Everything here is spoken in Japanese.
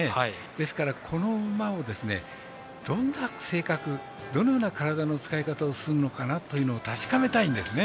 ですから、この馬をどんな性格、どのような体の使い方をするのかなっていうのを確かめたいんですね。